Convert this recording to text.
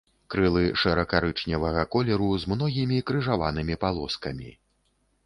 Крылы шэра-карычневага колеру, з многімі крыжаванымі палоскамі.